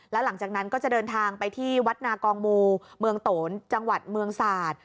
แล้วหลังจากนั้นก็จะเดินทางไปที่วัดนากองมูเมืองโตนจังหวัดเมืองศาสตร์